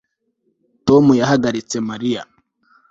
Tom yahagaritse Mariya